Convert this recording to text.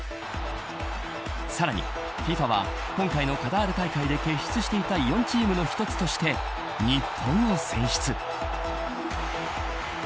さらにＦＩＦＡは今回のカタール大会で傑出していた４チームの一つとして日本を選出。